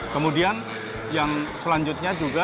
kemudian yang selanjutnya juga